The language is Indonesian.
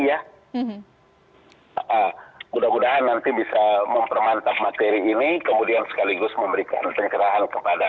saya pikir tentu saja nanti mas adi dan bang ferry ya mudah mudahan nanti bisa mempermantap materi ini kemudian sekaligus memberikan pengkerahan kepada masyarakat